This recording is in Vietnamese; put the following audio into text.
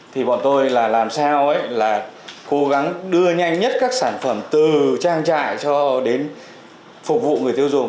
thì bọn tôi là làm sao là cố gắng đưa nhanh nhất các sản phẩm từ trang trại cho đến phục vụ người tiêu dùng